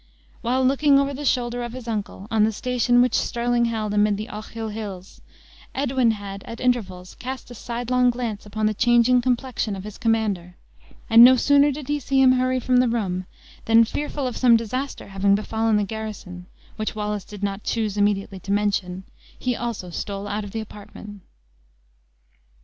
While looking over the shoulder of his uncle, on the station which Stirling held amid the Ochil hills, Edwin had at intervals cast a side long glance upon the changing complexion of his commander; and no sooner did he see him hurry from the room, than fearful of some disaster having befallen the garrison (which Wallace did not choose immediately to mention), he also stole out of the apartment.